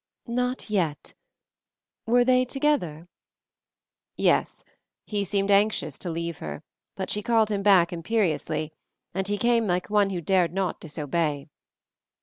"Not yet. Were they together?" "Yes. He seemed anxious to leave her, but she called him back imperiously, and he came like one who dared not disobey."